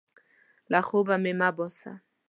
له خوبه مې مه باسه!